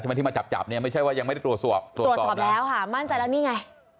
มาที่มาจับจับเนี่ยไม่ใช่ว่ายังไม่ได้ตรวจสอบตรวจสอบแล้วค่ะมั่นใจแล้วนี่ไง